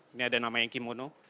ini ada namanya kimono